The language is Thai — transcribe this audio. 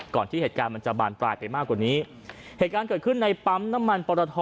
ที่เหตุการณ์มันจะบานปลายไปมากกว่านี้เหตุการณ์เกิดขึ้นในปั๊มน้ำมันปรทอ